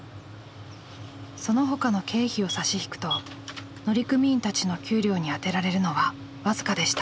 そのほかの経費を差し引くと乗組員たちの給料に充てられるのは僅かでした。